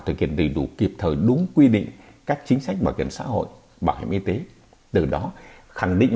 thực hiện đầy đủ kịp thời đúng quy định các chính sách bảo hiểm xã hội bảo hiểm y tế từ đó khẳng định